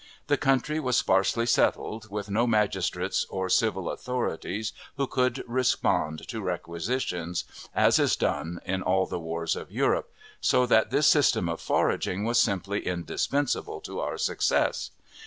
The country was sparsely settled, with no magistrates or civil authorities who could respond to requisitions, as is done in all the wars of Europe; so that this system of foraging was simply indispensable to our success.